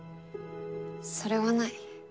それはない。